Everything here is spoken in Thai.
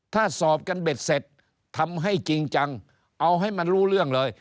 ถ้าสอบกันเบ็ดเสร็จทำให้จริงจังเอาให้มันรู้เรื่องเลย